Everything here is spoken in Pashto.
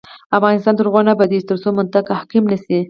افغانستان تر هغو نه ابادیږي، ترڅو منطق حاکم نشي.